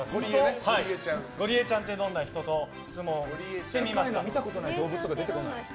ゴリエちゃんってどんな人？と質問してみました。